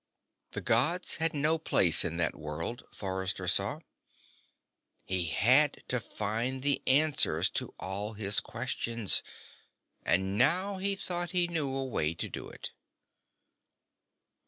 The Gods had no place in that world, Forrester saw. He had to find the answers to all of his questions and now he thought he knew a way to do it.